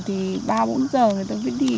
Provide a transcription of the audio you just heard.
thì ba bốn giờ người ta phải đi